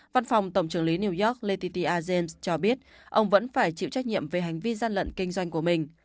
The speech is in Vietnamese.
văn phòng tổng trưởng lý new york lenity azens cho biết ông vẫn phải chịu trách nhiệm về hành vi gian lận kinh doanh của mình